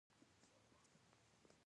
کوم ډول عملیات مو کړی دی؟